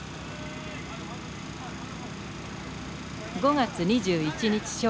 ５月２１日正午。